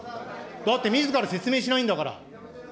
だってみずから説明しないんだから。